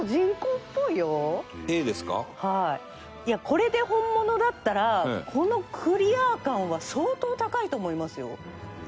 これで本物だったらこのクリア感は相当高いと思いますよ。